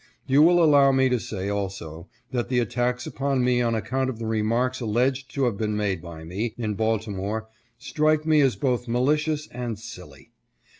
'' You will allow me to say also that the attacks upon me on account of the remarks alleged to have been made by me in Baltimore, strike me as both malicious and silly.